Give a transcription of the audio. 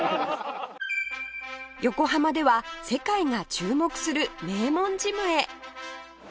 横浜では世界が注目する名門ジムへ